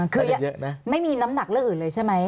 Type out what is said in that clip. คือไม่มีน้ำหนักเรื่องอื่นเลยใช่ไหม